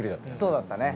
そうだったね。